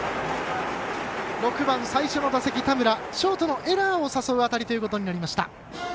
６番、最初の打席、田村ショートのエラーを誘う当たりということになりました。